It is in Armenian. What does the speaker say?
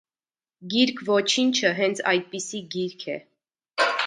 Գիրք ոչինչը հենց այդպիսի գիրք է։